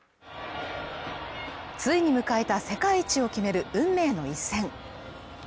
ついに迎えた世界一を決める運命の一戦